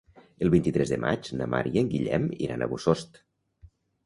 El vint-i-tres de maig na Mar i en Guillem iran a Bossòst.